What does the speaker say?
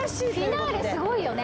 フィナーレすごいよね。